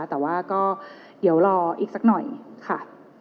แต่ว่าก็เดี๋ยวรออีกสักหน่อยค่ะ